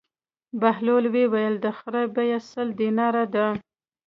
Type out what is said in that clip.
بهلول وویل: د خر بېه سل دیناره ده.